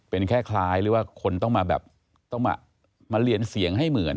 เป็นแค่คล้ายหรือว่าคนต้องมาแบบต้องมาเรียนเสียงให้เหมือน